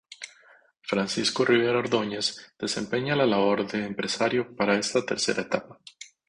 Francisco Rivera Ordóñez desempeña la labor de empresario para esta tercera etapa.